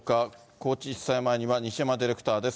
高知地裁前には西山ディレクターです。